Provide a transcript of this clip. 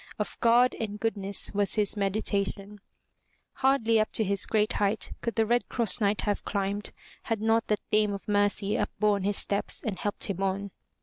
OJ God and goodness was his meditation. 43 MY BOOK HOUSE Hardly up to his great height could the Red Cross Knight have climbed, had not that Dame of Mercy upborne his steps and helped him on.